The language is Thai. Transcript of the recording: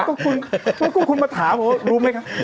แล้วคุณมาถามรู้ไหมครับ